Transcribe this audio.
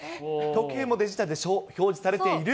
時計もデジタルで表示されている？